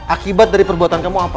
akibat dari perbuatan kamu apa